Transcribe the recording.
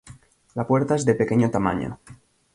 La puerta es de pequeño tamaño.